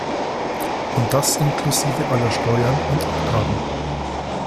Und das inklusive aller Steuern und Abgaben.